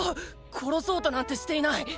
殺そうとなんてしていない！